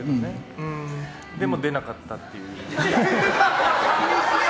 でも、出なかったっていう。